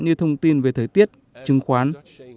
như thông tin về thời tiết chứng khoán